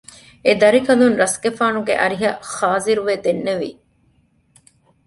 އެދަރިކަލުން ރަސްގެފާނުގެ އަރިހަށް ޚާޒިރުވެ ދެންނެވި